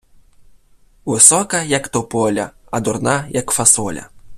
Висока, як тополя, а дурна, як фасоля.